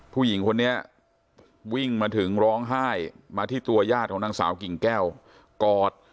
ผู้หญิงคนนี้วิ่งมาถึงร้องไห้มาที่ตัวญาติของนางสาวกิ่งแก้วกอด